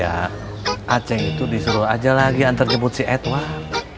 ya acing itu disuruh aja lagi antar jebut si edward